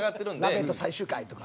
「『ラヴィット！』最終回」とか。